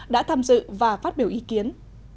đã tham dự và phát biểu ý kiến